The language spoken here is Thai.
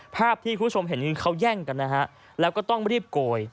ภาพที่คุณผู้ชมเห็นเขาแย่งกันนะฮะแล้วก็ต้องรีบโกย